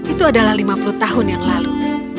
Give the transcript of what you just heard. itu adalah lima puluh tahun yang lalu